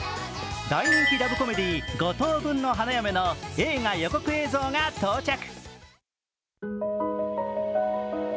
大人気ラブコメディー「五等分の花嫁」の映画予告映像が到着。